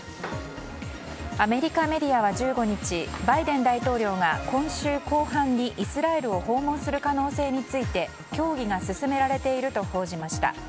アメリカメディアは１５日バイデン大統領が今週後半にイスラエルを訪問する可能性について協議が進められていると報じました。